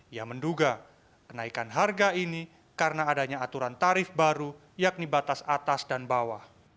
ia menduga kenaikan harga ini karena adanya aturan tarif baru yakni batas atas dan bawah